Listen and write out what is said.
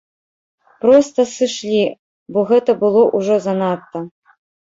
Проста сышлі, бо гэта было ўжо занадта.